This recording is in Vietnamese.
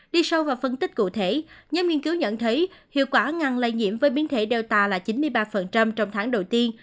đi sâu vào phân tích cụ thể nhân nghiên cứu nhận thấy hiệu quả ngăn lệ nhiễm với biến thể delta là chín mươi ba trong tháng đầu tiên